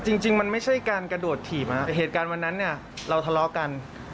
จริงมันไม่ใช่การกระโดดถีบเหตุการณ์วันนั้นเนี่ยเราทะเลาะกัน